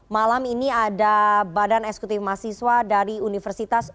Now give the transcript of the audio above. malam ini ada badan esekutif mahasiswa dari universitas udaya